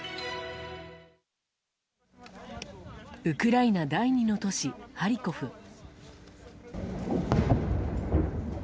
ウクライナ第２の都市ハリコフ。